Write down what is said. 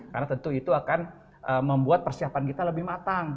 karena tentu itu akan membuat persiapan kita lebih matang